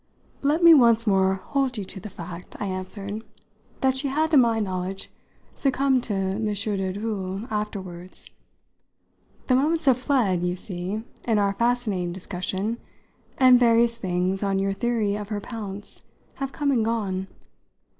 "Let me once more hold you to the fact," I answered, "that she had, to my knowledge, succumbed to M. de Dreuil afterwards. The moments have fled, you see, in our fascinating discussion, and various things, on your theory of her pounce, have come and gone.